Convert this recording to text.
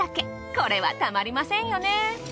これはたまりませんよね。